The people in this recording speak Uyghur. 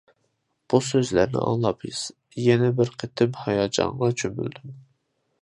بۇ سۆزلەرنى ئاڭلاپ يەنە بىر قېتىم ھاياجانغا چۆمۈلدۈم.